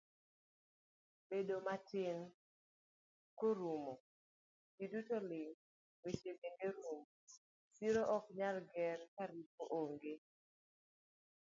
Bedo matin korumo, ji duto ling, weche bende rumo, siro oknyal ger karieko onge.